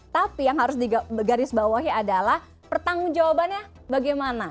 tapi yang harus digaris bawahi adalah pertanggung jawabannya bagaimana